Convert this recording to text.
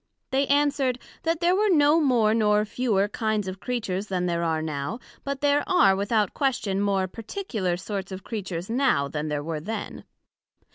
They answered, That there were no more nor fewer kinds of Creatures then there are now; but there are, without question, more particular sorts of Creatures now, then there were then.